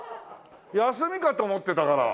休みかと思ってたから。